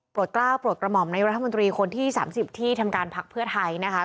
กล้าวโปรดกระหม่อมในรัฐมนตรีคนที่๓๐ที่ทำการพักเพื่อไทยนะคะ